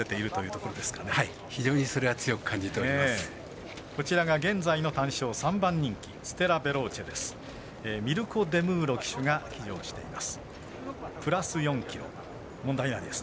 こちらが現在の単勝３番人気ステラヴェローチェです。